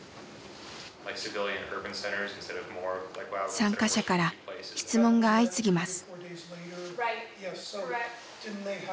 参加者から質問が相次ぎます。